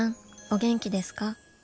お元気ですか？